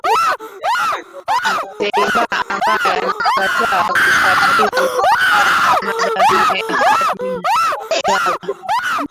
Dbeibah ambaye amekataa kukabidhi madaraka kwa Fathi Bashagha